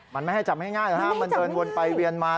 มันไม่ให้จับง่ายมันเตินวนไปเวียนมา